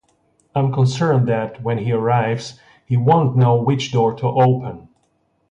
I'm concerned that, when he arrives, he won't know which door to open.